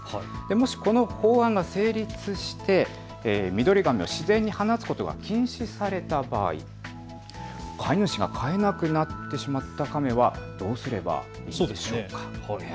もし、この法案が成立してミドリガメを自然に放つことが禁止された場合飼い主が飼えなくなってしまったカメはどうすればいいんでしょうか。